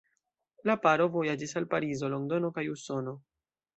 La paro vojaĝis al Parizo, Londono kaj Usono.